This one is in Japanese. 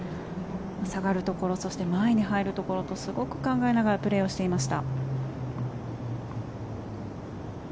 下がるところ、前に入るところとすごく考えながらプレーしていました。